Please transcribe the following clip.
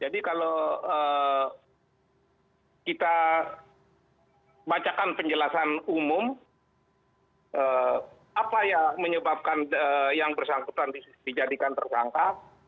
jadi kalau kita bacakan penjelasan umum apa yang menyebabkan yang bersangkutan dijadikan tersangka